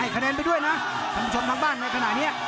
คะแนนไปด้วยนะท่านผู้ชมทางบ้านในขณะนี้